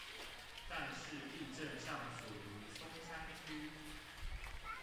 但是地政上屬於松山區